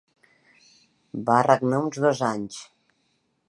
Va regnar uns dos anys.